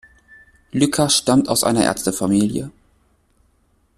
Lücker stammt aus einer Ärztefamilie.